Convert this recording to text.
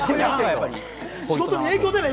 仕事に影響でない？